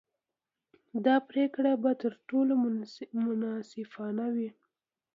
دا پرېکړه به تر ټولو منصفانه وي.